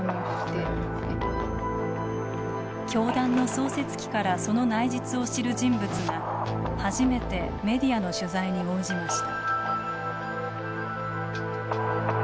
教団の創設期からその内実を知る人物が初めてメディアの取材に応じました。